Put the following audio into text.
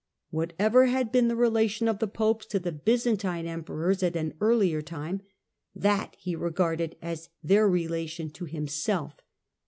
Whatever had been the relation of the Popes to the Byzantine emperors at an earlier time, that he regarded as their relation to himself.